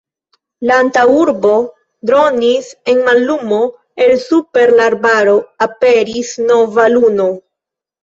La antaŭurbo dronis en mallumo, el super la arbaro aperis nova luno.